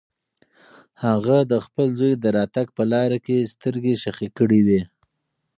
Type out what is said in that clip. هغه د خپل زوی د راتګ په لاره کې سترګې خښې کړې وې.